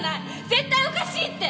絶対おかしいって！